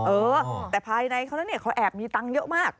เออแต่ภายในเขาแล้วเนี่ยเขาแอบมีตังค์เยอะมาก